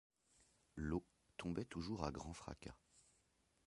L'eau tombait toujours à grand fracas.